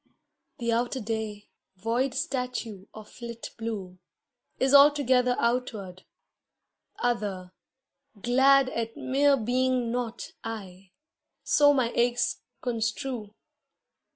The outer day, void statue of lit blue, Is altogether outward, other, glad At mere being not I (so my aches construe).